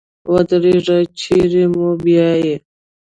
ودرېږه چېري مو بیایې ؟